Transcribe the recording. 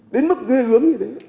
đến mức ghê hướng như thế